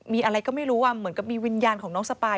มีอะไรก็ไม่รู้มีวิญญาณของน้องสปาย